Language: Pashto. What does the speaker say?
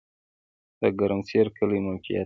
د ګرمسر کلی موقعیت